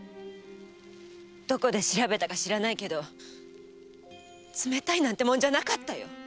どこで調べたか知らないけど冷たいなんてもんじゃないよ！